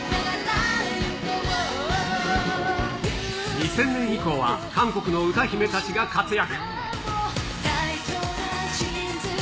２０００年以降は韓国の歌姫たちが活躍。